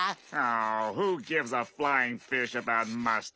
あ！